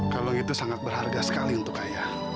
kalau itu sangat berharga sekali untuk ayah